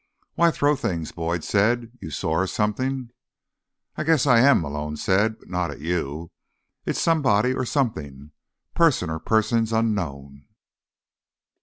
"Why throw things?" Boyd said. "You sore or something?" "I guess I am," Malone said. "But not at you. It's—somebody or something. Person or persons unknown."